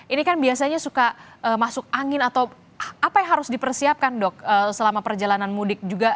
ini kan biasanya suka masuk angin atau apa yang harus dipersiapkan dok selama perjalanan mudik juga